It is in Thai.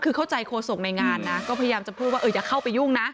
คือเข้าใจโฆษกในงานนะก็พยายามจะพูดว่าอย่าเข้าไปยุ่งนะ